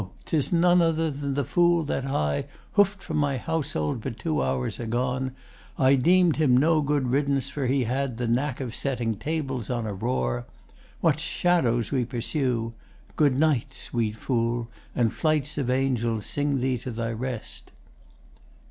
'tis none other than the Fool that I Hoof'd from my household but two hours agone. I deem'd him no good riddance, for he had The knack of setting tables on a roar. What shadows we pursue! Good night, sweet Fool, And flights of angels sing thee to thy rest!